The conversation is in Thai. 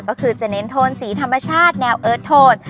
ก็คือจะเน้นโทนสีธรรมชาติแนวเอิร์ทโทน